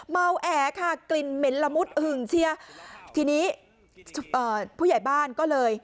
แอ๋ค่ะกลิ่นเหม็นละมุดหึงเชียทีนี้เอ่อผู้ใหญ่บ้านก็เลย